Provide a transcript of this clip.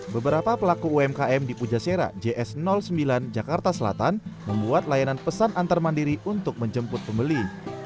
beberapa pelaku umkm di pujasera js sembilan jakarta selatan membuat layanan pesan antar mandiri untuk menjemput pembeli